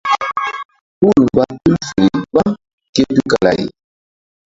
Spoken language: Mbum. Hul mba tul feri gbam ké tukala-ay.